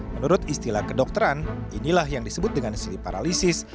menurut istilah kedokteran inilah yang disebut dengan sleep paralysis